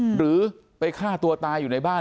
หรือไปฆ่าตัวตายอยู่ในบ้าน